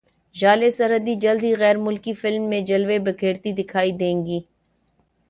ژالے سرحدی جلد ہی غیر ملکی فلم میں جلوے بکھیرتی دکھائی دیں گی